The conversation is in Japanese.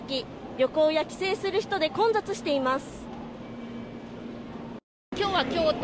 旅行や帰省する人で混雑しています。